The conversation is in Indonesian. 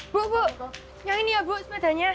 bu bu yang ini ya bu sepedanya